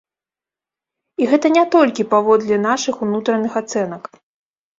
І гэта не толькі паводле нашых унутраных ацэнак.